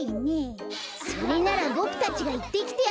それならボクたちがいってきてあげるよ。